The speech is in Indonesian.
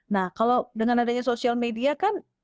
nah kalau dengan adanya sosial media kan